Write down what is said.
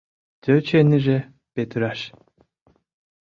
Тӧчынеже петыраш